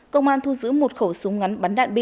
công an thu giữ một khẩu súng ngắn bắn đạn bi